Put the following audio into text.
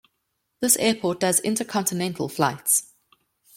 This airport does intercontinental flights.